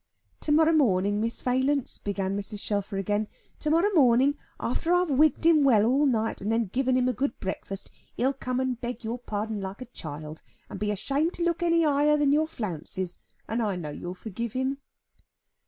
"To morrow morning, Miss Valence," began Mrs. Shelfer again, "to morrow morning, after I have wigged him well all night, and then given him a good breakfast, he'll come and beg your pardon like a child, and be ashamed to look any higher than your flounces; and I know you'll forgive him."